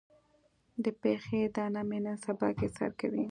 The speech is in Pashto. د پښې دانه مې نن سبا کې سر کوي.